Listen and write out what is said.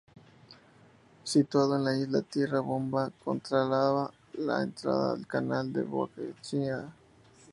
Situado en la Isla Tierra Bomba, controlaba la entrada al canal de Bocachica.